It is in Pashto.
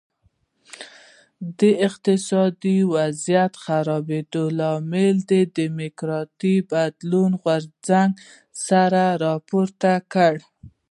د اقتصادي وضعیت خرابېدو له امله د ډیموکراټیک بدلون غورځنګ سر راپورته کړ.